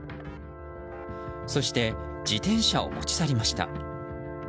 そして、自転車を持ち去りました。